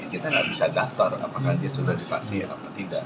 kita nggak bisa daftar apakah dia sudah divaksin atau tidak